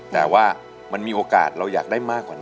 แต่ว่ามันมีโอกาสเราอยากได้มากกว่านั้น